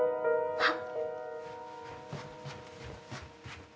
あっ。